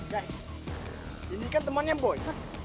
guys ini kan temennya boy